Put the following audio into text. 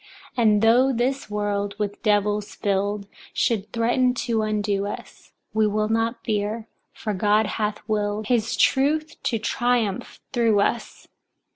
3. And though this world, with devils filled, should threaten to undo us, we will not fear, for God hath willed his truth to triumph through us.